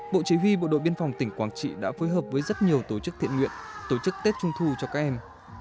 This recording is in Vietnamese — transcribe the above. bộ chí huy bộ đội biên phòng tỉnh quảng trị đã phối hợp với rất nhiều tổ chức thiện nguyện tổ chức tết trung thu cho các em